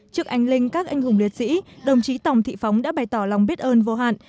trước anh linh các anh hùng liệt sĩ đồng chí tòng thị phóng đã bày tỏ lòng biết ơn vô hạn